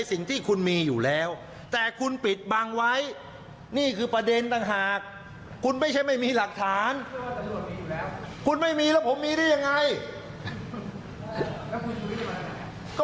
ลองฟังคุณชูวิทย์เชื่อว่าตำรวจมีทั้งหมดแต่ไม่เอาเข้าสู่สำนวนคดีทั้งหมด